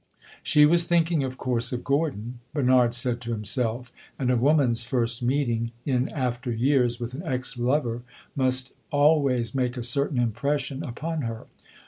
She was thinking, of course, of Gordon, Bernard said to himself; and a woman's first meeting, in after years, with an ex lover must always make a certain impression upon her.